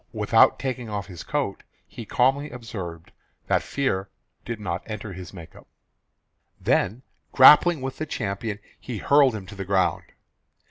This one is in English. Without taking off his coat he calmly observed that fear did not enter his make up; then grappling with the champion he hurled him to the ground.